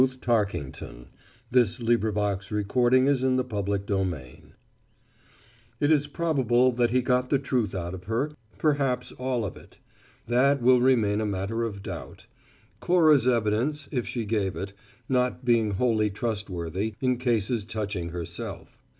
"What are you doing here?" he asked, at last. CHAPTER TWENTY THREE It is probable that he got the truth out of her, perhaps all of it. That will remain a matter of doubt; Cora's evidence, if she gave it, not being wholly trustworthy in cases touching herself.